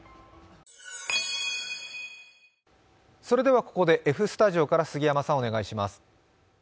それではここで、Ｆスタジオから杉山さん、お願いします。